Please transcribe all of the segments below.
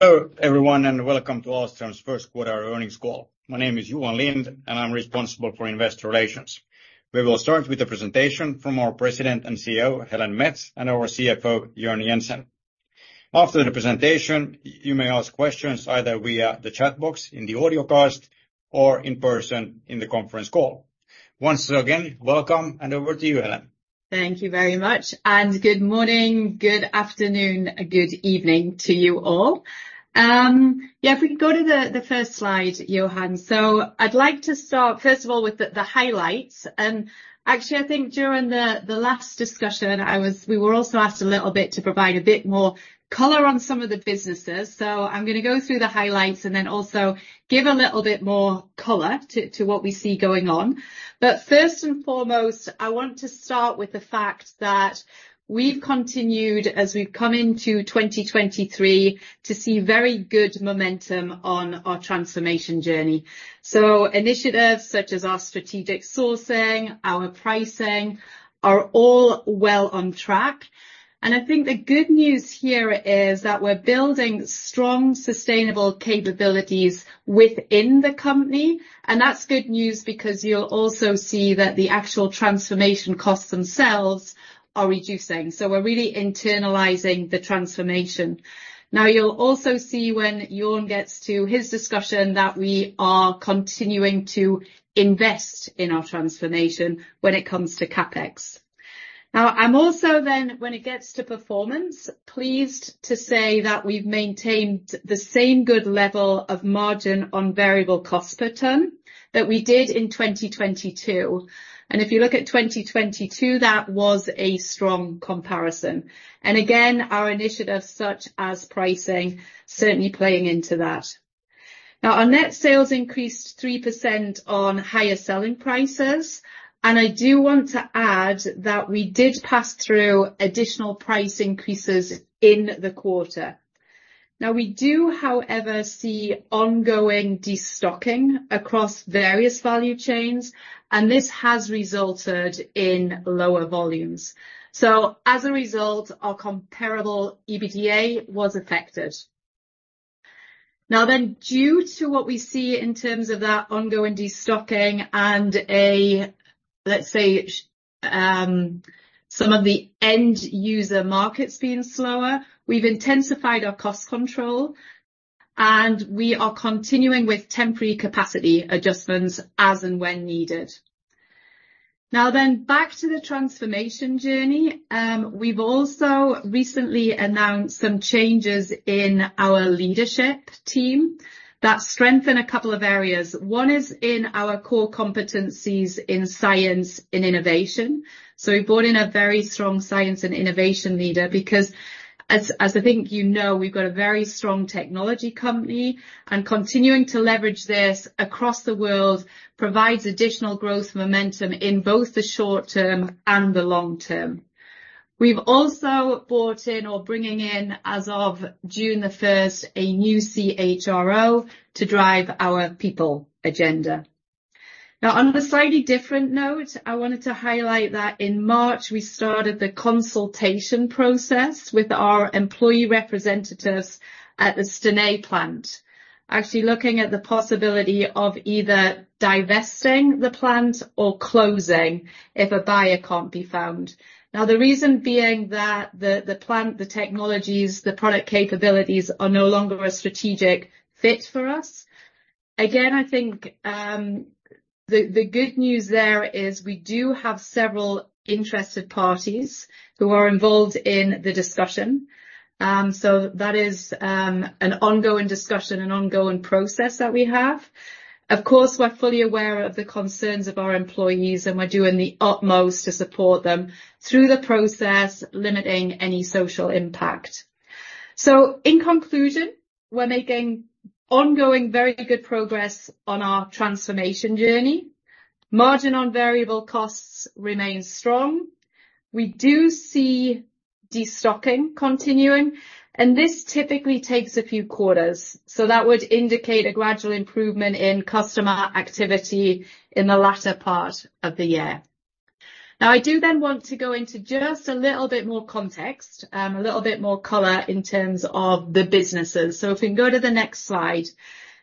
Hello, everyone, and welcome to Ahlstrom's first quarter earnings call. My name is Johan Lindh, and I'm responsible for investor relations. We will start with a presentation from our President and CEO, Helen Mets, and our CFO, Jörn Jensen. After the presentation, you may ask questions either via the chat box in the audio cast or in person in the conference call. Once again, welcome, and over to you, Helen. Thank you very much, and good morning, good afternoon, and good evening to you all. Yeah, if we can go to the first slide, Johan. I'd like to start, first of all, with the highlights. Actually, I think during the last discussion, we were also asked a little bit to provide a bit more color on some of the businesses. I'm going to go through the highlights and then also give a little bit more color to what we see going on. First and foremost, I want to start with the fact that we've continued, as we've come into 2023, to see very good momentum on our transformation journey. Initiatives such as our strategic sourcing, our pricing, are all well on track. I think the good news here is that we're building strong, sustainable capabilities within the company, and that's good news because you'll also see that the actual transformation costs themselves are reducing. We're really internalizing the transformation. You'll also see when Jörn gets to his discussion, that we are continuing to invest in our transformation when it comes to CapEx. I'm also, when it gets to performance, pleased to say that we've maintained the same good level of margin on variable cost per ton that we did in 2022. If you look at 2022, that was a strong comparison. Again, our initiatives, such as pricing, certainly playing into that. Our net sales increased 3% on higher selling prices, and I do want to add that we did pass through additional price increases in the quarter. We do, however, see ongoing destocking across various value chains, and this has resulted in lower volumes. As a result, our comparable EBITDA was affected. Due to what we see in terms of that ongoing destocking and a, let's say, some of the end user markets being slower, we've intensified our cost control, and we are continuing with temporary capacity adjustments as and when needed. Back to the transformation journey. We've also recently announced some changes in our leadership team that strengthen a couple of areas. One is in our core competencies in science and innovation. We brought in a very strong science and innovation leader because as I think you know, we've got a very strong technology company, and continuing to leverage this across the world provides additional growth momentum in both the short term and the long term. We've also brought in or bringing in, as of June 1st, a new CHRO to drive our people agenda. On a slightly different note, I wanted to highlight that in March, we started the consultation process with our employee representatives at the Stenay plant. Actually, looking at the possibility of either divesting the plant or closing if a buyer can't be found. The reason being that the plant, the technologies, the product capabilities are no longer a strategic fit for us. I think the good news there is we do have several interested parties who are involved in the discussion. That is an ongoing discussion, an ongoing process that we have. Of course, we're fully aware of the concerns of our employees, and we're doing the utmost to support them through the process, limiting any social impact. In conclusion, we're making ongoing, very good progress on our transformation journey. Margin on variable costs remains strong. We do see destocking continuing, and this typically takes a few quarters, so that would indicate a gradual improvement in customer activity in the latter part of the year. I do then want to go into just a little bit more context, a little bit more color in terms of the businesses. If we can go to the next slide.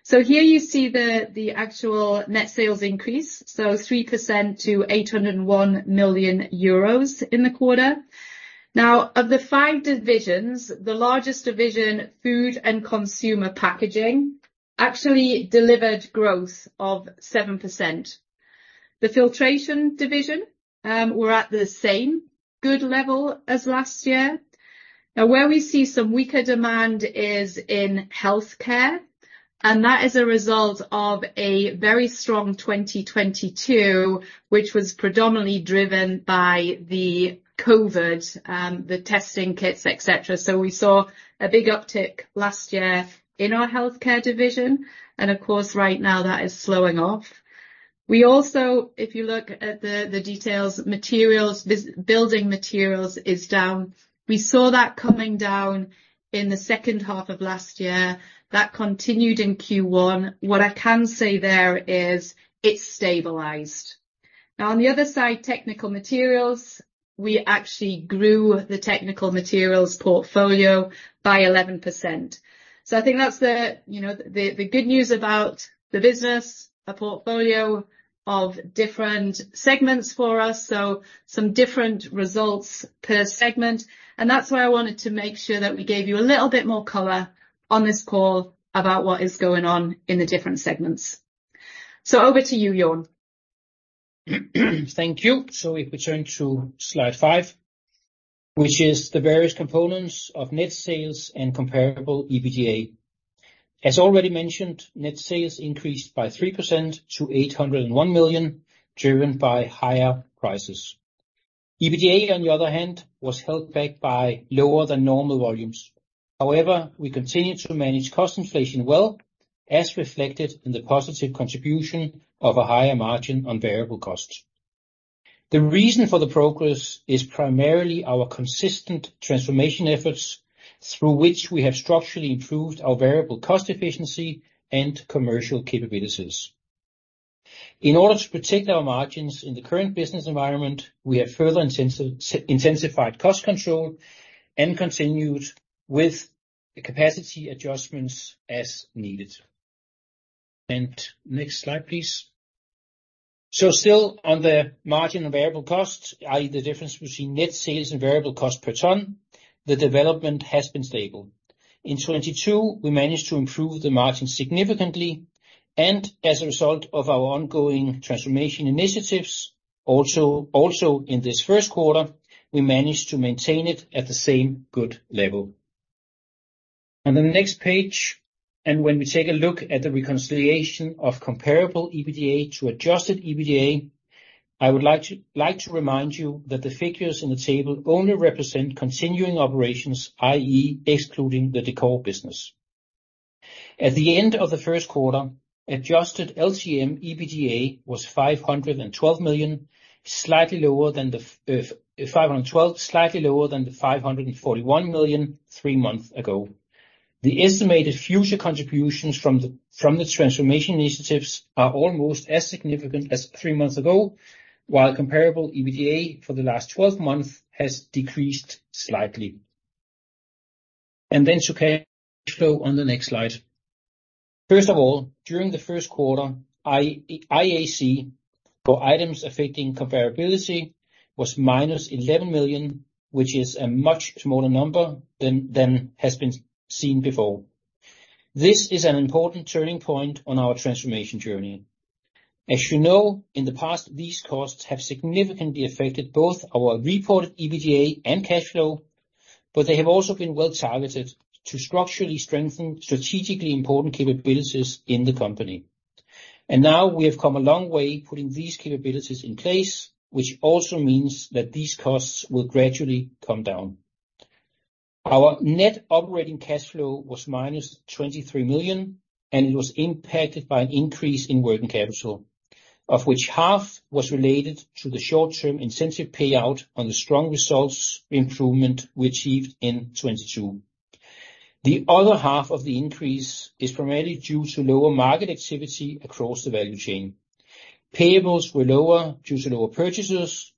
Here you see the actual net sales increase, so 3% to 801 million in the quarter. Of the five divisions, the largest division, Food and Consumer Packaging, actually delivered growth of 7%. The Filtration division, we're at the same good level as last year. Where we see some weaker demand is in Healthcare, and that is a result of a very strong 2022, which was predominantly driven by the COVID, the testing kits, et cetera. We saw a big uptick last year in our Healthcare division, and of course, right now that is slowing off. We also, if you look at the details, this Building Materials is down. We saw that coming down in the second half of last year. That continued in Q1. What I can say there is it's stabilized. On the other side, we actually grew the Technical Materials portfolio by 11%. I think that's the, you know, the good news about the business. A portfolio of different segments for us, so some different results per segment. That's why I wanted to make sure that we gave you a little bit more color on this call about what is going on in the different segments. Over to you, Jörn. Thank you. If we turn to slide five, which is the various components of net sales and comparable EBITDA. As already mentioned, net sales increased by 3% to 801 million, driven by higher prices. EBITDA, on the other hand, was held back by lower than normal volumes. However, we continued to manage cost inflation well, as reflected in the positive contribution of a higher margin on variable costs. The reason for the progress is primarily our consistent transformation efforts, through which we have structurally improved our variable cost efficiency and commercial capabilities. In order to protect our margins in the current business environment, we have further intensified cost control and continued with the capacity adjustments as needed. Next slide, please. Still on the margin on variable costs, i.e., the difference between net sales and variable cost per ton, the development has been stable. In 2022, we managed to improve the margin significantly, and as a result of our ongoing transformation initiatives, also in this first quarter, we managed to maintain it at the same good level. The next page, and when we take a look at the reconciliation of comparable EBITDA to adjusted EBITDA, I would like to remind you that the figures in the table only represent continuing operations, i.e., excluding the Decor business. At the end of the first quarter, adjusted LTM EBITDA was 512 million, slightly lower than 541 million three months ago. The estimated future contributions from the transformation initiatives are almost as significant as three months ago, while comparable EBITDA for the last 12 months has decreased slightly. To cash flow on the next slide. First of all, during the first quarter, IAC, or items affecting comparability, was -11 million, which is a much smaller number than has been seen before. This is an important turning point on our transformation journey. As you know, in the past, these costs have significantly affected both our reported EBITDA and cash flow, but they have also been well-targeted to structurally strengthen strategically important capabilities in the company. Now we have come a long way putting these capabilities in place, which also means that these costs will gradually come down. Our net operating cash flow was minus 23 million, and it was impacted by an increase in working capital, of which half was related to the short-term incentive payout on the strong results improvement we achieved in 2022. The other half of the increase is primarily due to lower market activity across the value chain. Payables were lower due to lower purchases,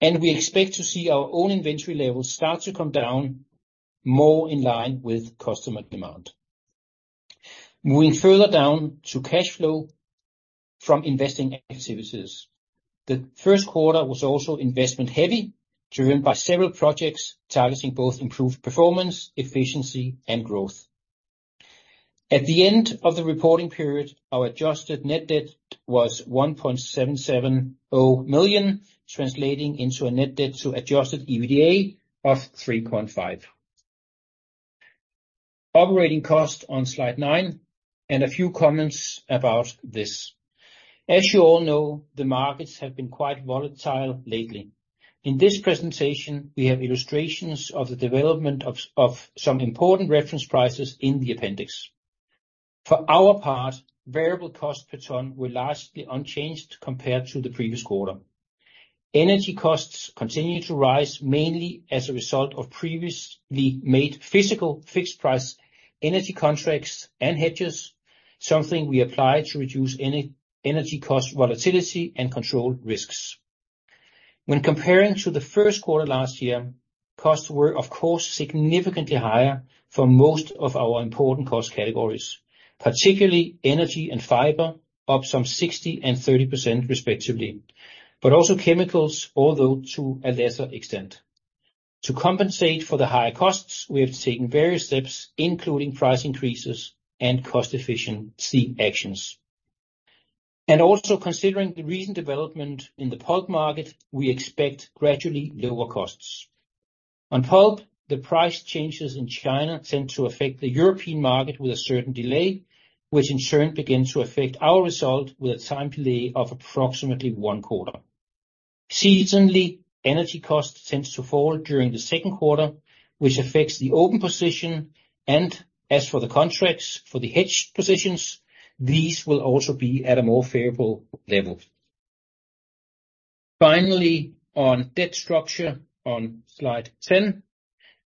and we expect to see our own inventory levels start to come down more in line with customer demand. Moving further down to cash flow from investing activities. The first quarter was also investment-heavy, driven by several projects targeting both improved performance, efficiency, and growth. At the end of the reporting period, our adjusted net debt was 1,770 million, translating into a net debt to adjusted EBITDA of 3.5. Operating costs on slide nine, a few comments about this. As you all know, the markets have been quite volatile lately. In this presentation, we have illustrations of the development of some important reference prices in the appendix. For our part, variable costs per ton were largely unchanged compared to the previous quarter. Energy costs continued to rise, mainly as a result of previously made physical, fixed-price energy contracts and hedges, something we applied to reduce any energy cost volatility and control risks. When comparing to the first quarter last year, costs were, of course, significantly higher for most of our important cost categories, particularly energy and fiber, up some 60% and 30%, respectively, but also chemicals, although to a lesser extent. To compensate for the higher costs, we have taken various steps, including price increases and cost efficiency actions. Also, considering the recent development in the pulp market, we expect gradually lower costs. On pulp, the price changes in China tend to affect the European market with a certain delay, which in turn begins to affect our result with a time delay of approximately one quarter. Seasonally, energy costs tends to fall during the second quarter, which affects the open position, and as for the contracts for the hedged positions, these will also be at a more favorable level. Finally, on debt structure on slide 10,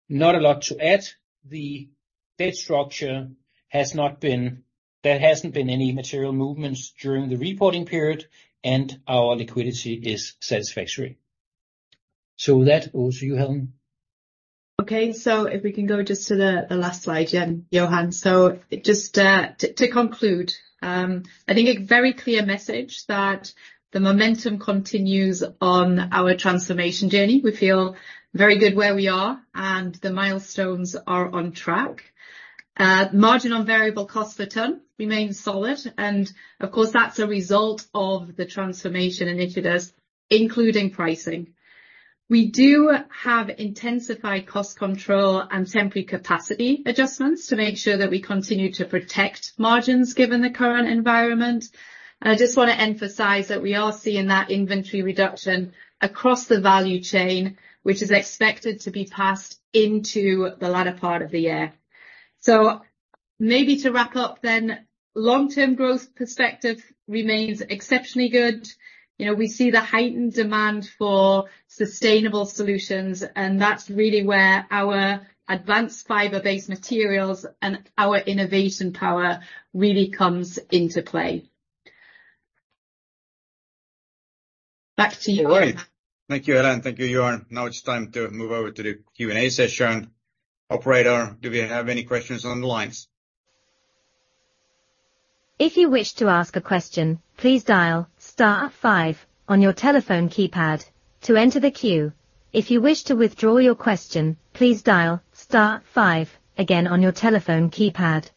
not a lot to add.... Debt structure there hasn't been any material movements during the reporting period, and our liquidity is satisfactory. With that, over to you, Helen. If we can go just to the last slide, yeah, Johan. Just to conclude, I think a very clear message that the momentum continues on our transformation journey. We feel very good where we are, and the milestones are on track. Margin on variable costs per ton remains solid, and of course, that's a result of the transformation initiatives, including pricing. We do have intensified cost control and temporary capacity adjustments to make sure that we continue to protect margins, given the current environment. I just want to emphasize that we are seeing that inventory reduction across the value chain, which is expected to be passed into the latter part of the year. Maybe to wrap up then, long-term growth perspective remains exceptionally good. You know, we see the heightened demand for sustainable solutions, and that's really where our advanced fiber-based materials and our innovation power really comes into play. Back to you, Johan. All right. Thank you, Helen. Thank you, Johan. Now it's time to move over to the Q&A session. Operator, do we have any questions on the lines? If you wish to ask a question, please dial star five on your telephone keypad to enter the queue. If you wish to withdraw your question, please dial star five again on your telephone keypad.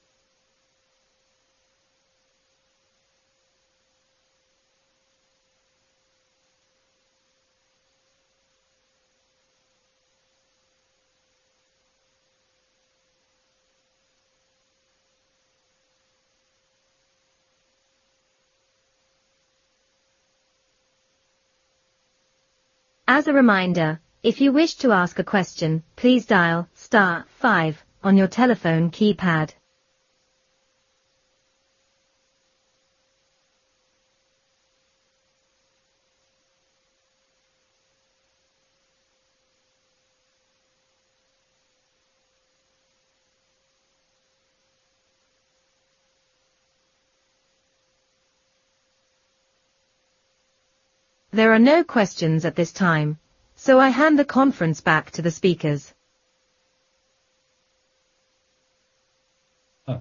As a reminder, if you wish to ask a question, please dial star five on your telephone keypad. There are no questions at this time. I hand the conference back to the speakers. Uh.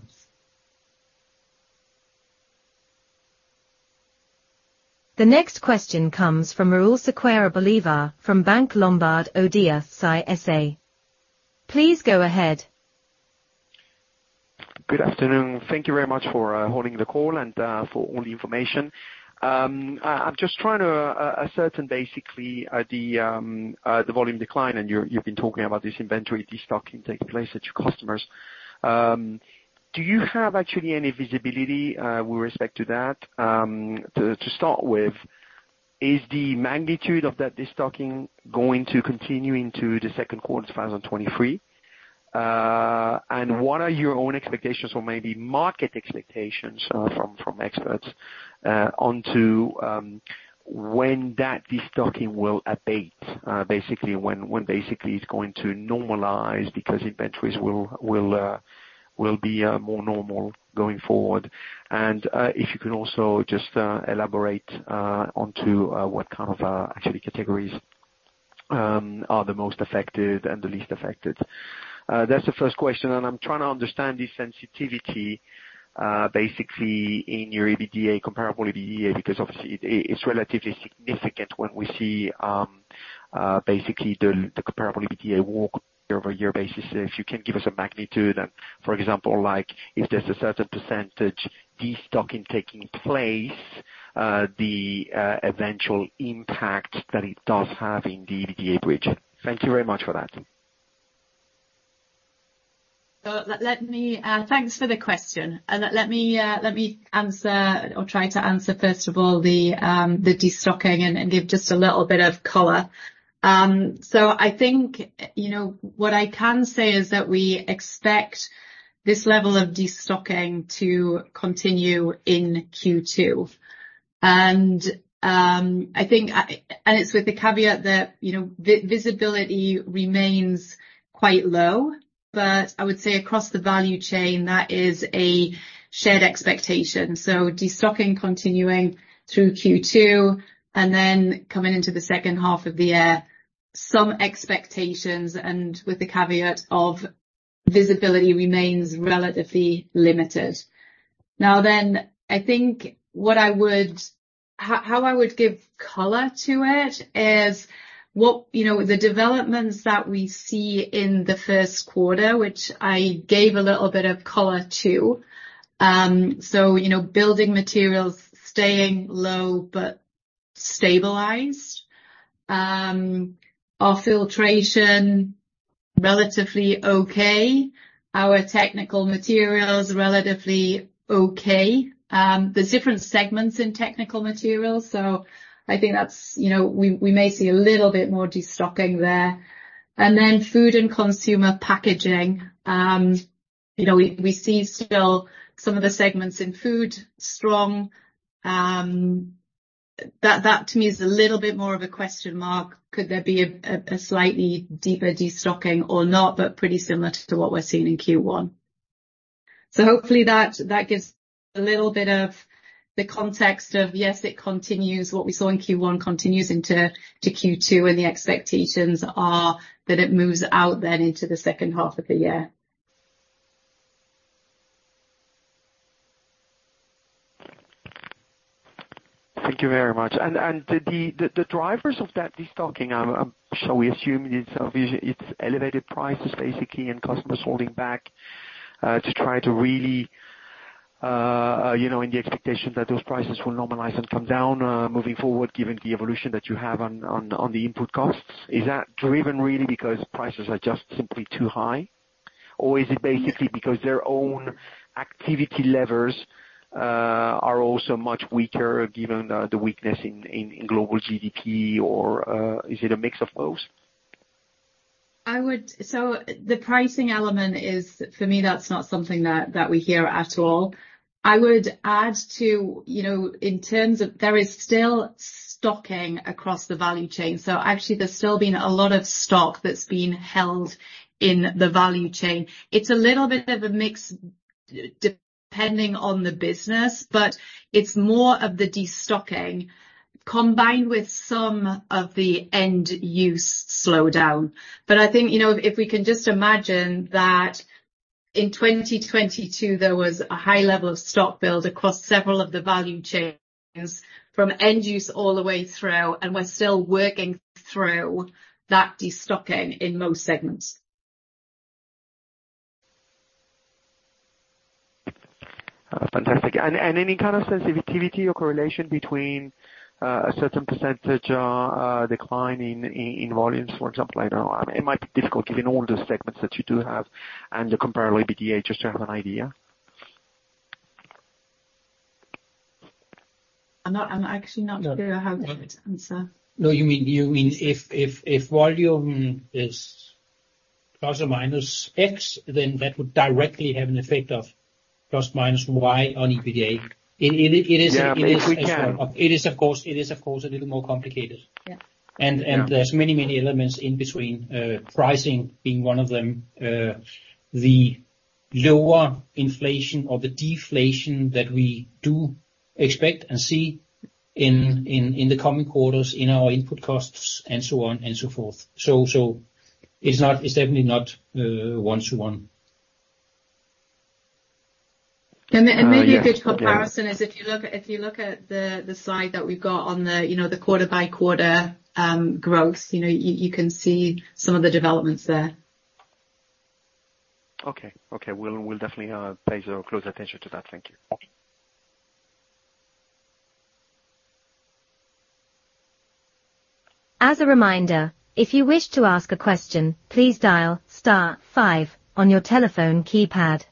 The next question comes from Raul Sequeira-Bolivar from Banque Lombard Odier & Cie SA. Please go ahead. Good afternoon. Thank you very much for holding the call and for all the information. I'm just trying to ascertain basically the volume decline, and you've been talking about this inventory destocking taking place at your customers. Do you have actually any visibility with respect to that? To start with, is the magnitude of that destocking going to continue into the second quarter of 2023? What are your own expectations or maybe market expectations from experts on to when that destocking will abate? Basically, when basically it's going to normalize because inventories will be more normal going forward. If you can also just elaborate on to what kind of actually categories are the most affected and the least affected? That's the first question. I'm trying to understand the sensitivity basically in your EBITDA, comparable EBITDA, because obviously it's relatively significant when we see basically the comparable EBITDA walk year-over-year basis. If you can give us a magnitude and, for example, like if there's a certain % destocking taking place, the eventual impact that it does have in the EBITDA bridge? Thank you very much for that. Let me. Thanks for the question, and let me answer or try to answer, first of all, the destocking and give just a little bit of color. I think, you know, what I can say is that we expect this level of destocking to continue in Q2. I think, and it's with the caveat that, you know, visibility remains quite low, but I would say across the value chain, that is a shared expectation. Destocking continuing through Q2, and coming into the second half of the year, some expectations, and with the caveat of visibility remains relatively limited. Now, I think how I would give color to it is what. You know, the developments that we see in the first quarter, which I gave a little bit of color to, you know, Building Materials staying low but stabilized. Our Filtration, relatively okay. Our Technical Material is relatively okay. There's different segments in Technical Materials, I think that's, you know, we may see a little bit more destocking there. Food and Consumer Packaging, you know, we see still some of the segments in food strong. That to me is a little bit more of a question mark. Could there be a slightly deeper destocking or not? Pretty similar to what we're seeing in Q1. Hopefully that gives a little bit of the context of, yes, it continues. What we saw in Q1 continues into, to Q2. The expectations are that it moves out then into the second half of the year. Thank you very much. The drivers of that destocking, shall we assume it's elevated prices, basically, and customers holding back to try to really, you know, in the expectation that those prices will normalize and come down moving forward, given the evolution that you have on the input costs. Is that driven really because prices are just simply too high? Or is it basically because their own activity levels are also much weaker, given the weakness in global GDP? Or is it a mix of both? The pricing element is, for me, that's not something that we hear at all. I would add to, you know, in terms of there is still stocking across the value chain. Actually, there's still been a lot of stock that's been held in the value chain. It's a little bit of a mix, depending on the business, but it's more of the destocking combined with some of the end-use slowdown. I think, you know, if we can just imagine that in 2022, there was a high level of stock build across several of the value chains, from end use all the way through, and we're still working through that destocking in most segments. Fantastic. Any kind of sensitivity or correlation between a certain percentage decline in volumes, for example, I don't know. It might be difficult, given all the segments that you do have and the comparable EBITDA, just to have an idea. I'm actually not sure I have the right answer. No, you mean if volume is ±X, then that would directly have an effect of ±Y on EBITDA. It is. Yeah, if we can. It is, of course, a little more complicated. Yeah. There's many elements in between, pricing being one of them. The lower inflation or the deflation that we do expect and see in the coming quarters in our input costs, and so on and so forth. It's not, it's definitely not one-to-one. And ma- Yeah. Maybe a good comparison is if you look at the slide that we've got on the, you know, the quarter by quarter growth, you know, you can see some of the developments there. Okay, we'll definitely pay close attention to that. Thank you. As a reminder, if you wish to ask a question, please dial star five on your telephone keypad.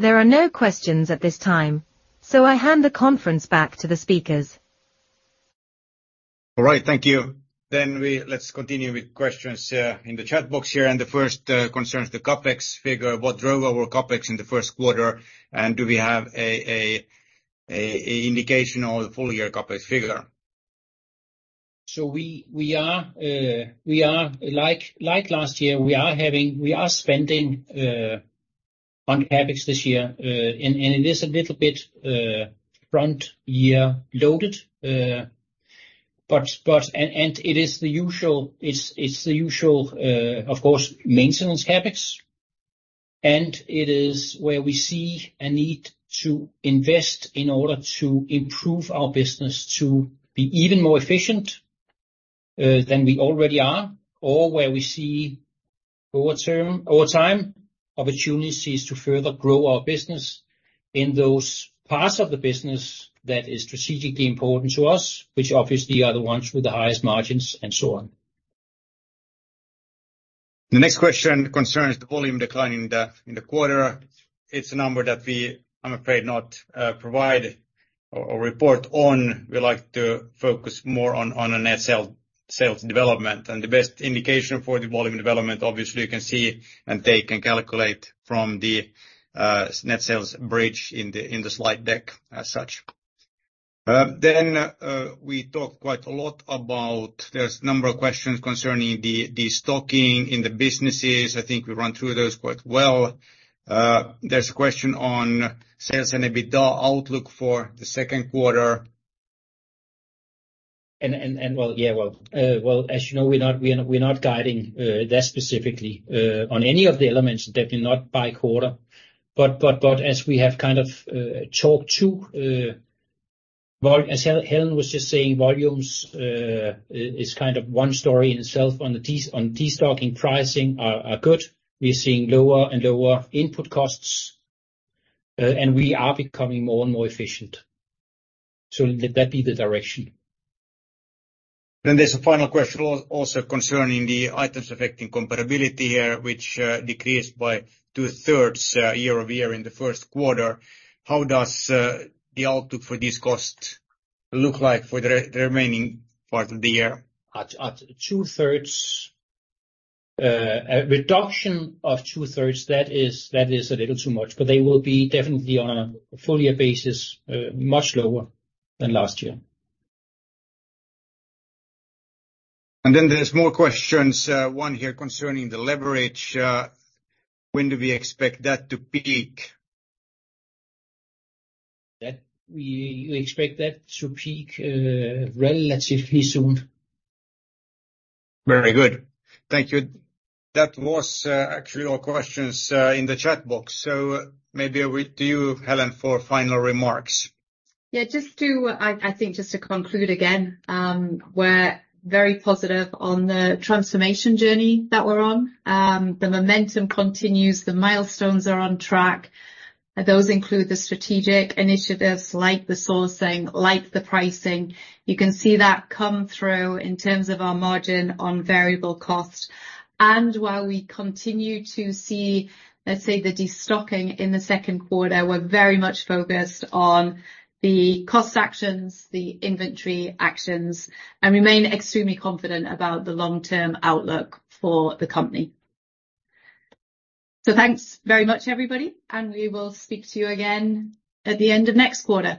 There are no questions at this time, I hand the conference back to the speakers. All right, thank you. Let's continue with questions in the chat box here. The first concerns the CapEx figure. What drove our CapEx in the first quarter, and do we have an indication or the full year CapEx figure? We are like last year, we are spending on CapEx this year, and it is a little bit front year loaded, but it is the usual, it's the usual, of course, maintenance CapEx, and it is where we see a need to invest in order to improve our business to be even more efficient than we already are, or where we see over time, opportunities to further grow our business in those parts of the business that is strategically important to us, which obviously are the ones with the highest margins, and so on. The next question concerns the volume decline in the quarter. It's a number that we, I'm afraid, not provide or report on. We like to focus more on a net sales development. The best indication for the volume development, obviously, you can see, and they can calculate from the net sales bridge in the slide deck as such. Then we talked quite a lot about. There's a number of questions concerning the stocking in the businesses. I think we ran through those quite well. There's a question on sales and EBITDA outlook for the second quarter. Well, yeah, well, well, as you know, we're not guiding, that specifically, on any of the elements, definitely not by quarter. As we have kind of, talked to, well, as Helen was just saying, volumes, is kind of one story in itself on destocking. Pricing are good. We're seeing lower and lower input costs, and we are becoming more and more efficient. Let that be the direction. There's a final question also concerning the items affecting comparability here, which decreased by two-thirds year-over-year in the first quarter. How does the outlook for this cost look like for the remaining part of the year? At two-thirds, a reduction of two-thirds, that is a little too much. They will be definitely on a full year basis, much lower than last year. There's more questions, one here concerning the leverage. When do we expect that to peak? We expect that to peak, relatively soon. Very good. Thank you. That was actually all questions in the chat box, so maybe over to you, Helen, for final remarks. I think just to conclude again, we're very positive on the transformation journey that we're on. The momentum continues, the milestones are on track. Those include the strategic initiatives, like the sourcing, like the pricing. You can see that come through in terms of our margin on variable cost. While we continue to see, let's say, the destocking in the second quarter, we're very much focused on the cost actions, the inventory actions, and remain extremely confident about the long-term outlook for the company. Thanks very much, everybody, and we will speak to you again at the end of next quarter.